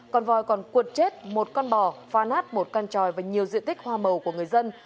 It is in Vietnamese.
con voi còn cuột chết một con bò pha nát một căn tròi và nhiều diện tích hoa màu của người dân